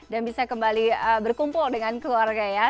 dan bisa kembali berkumpul dengan keluarga ya